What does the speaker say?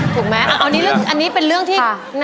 ถูกไหมอันนี้เป็นเรื่องที่